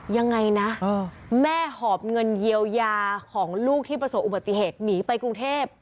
ยังไงนะแม่หอบเงินเยียวยาของลูกที่ประสบอุบัติเหตุหนีไปกรุงเทพ